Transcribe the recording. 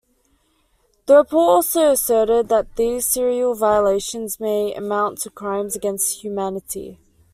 The report also asserted that these serial violations may amount to crimes against humanity.